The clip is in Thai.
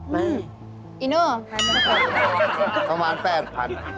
ไม่ตีหนึ่งเหมือนไม่ถูก